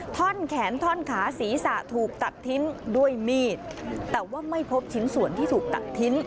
ท่อนแขนท่อนขาศีรษะถูกตัดทิ้งด้วยมีดแต่ว่าไม่พบชิ้นส่วนที่ถูกตัดทิ้ง